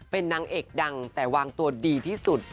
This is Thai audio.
เป็นนางเอกดังแต่วางตัวดีที่สุด